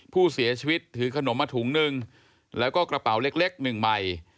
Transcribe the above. ผู้เสียชีวิตถือขนมมาถุงหนึ่งแล้วก็กระเป๋าเล็กหนึ่งใบ